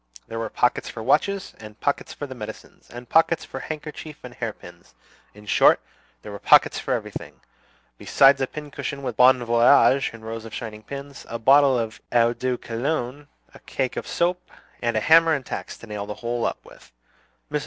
There were pockets for watches, and pockets for medicines, and pockets for handkerchief and hairpins, in short, there were pockets for everything; besides a pincushion with "Bon Voyage" in rows of shining pins, a bottle of eau de cologne, a cake of soap, and a hammer and tacks to nail the whole up with. Mrs.